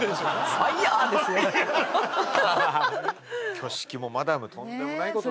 挙式もマダムとんでもないこと。